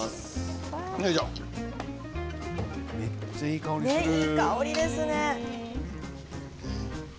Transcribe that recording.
めっちゃいい香りがしている。